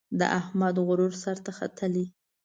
د احمد غرور سر ته ختلی.